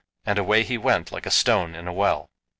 and away he went like a stone in a well.